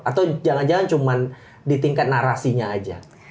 atau jangan jangan cuma di tingkat narasinya aja